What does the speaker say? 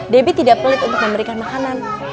debbie tidak pelit untuk memberikan makanan